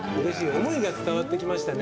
思いが伝わってきましたね。